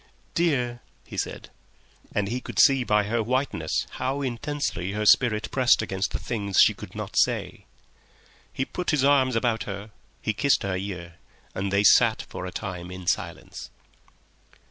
"Dear," he said, and he could see by her whiteness how tensely her spirit pressed against the things she could not say. He put his arms about her, he kissed her ear, and they sat for a time in silence.